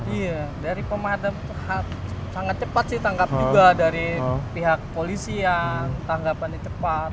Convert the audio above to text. iya dari pemadam sangat cepat sih tanggap juga dari pihak polisi yang tanggapannya cepat